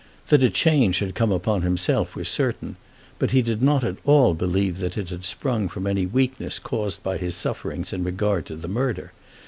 That a change had come upon himself was certain, but he did not at all believe that it had sprung from any weakness caused by his sufferings in regard to the murder.